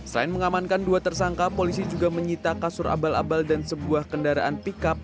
selain mengamankan dua tersangka polisi juga menyita kasur abal abal dan sebuah kendaraan pickup